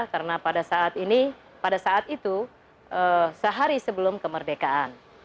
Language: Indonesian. karena pada saat ini pada saat itu sehari sebelum kemerdekaan